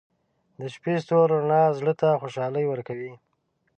• د شپې د ستورو رڼا زړه ته خوشحالي ورکوي.